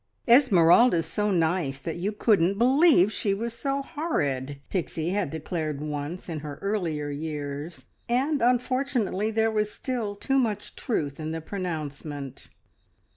"Esmeralda's so nice that you couldn't believe she was so horrid!" Pixie had declared once in her earlier years, and unfortunately there was still too much truth in the pronouncement.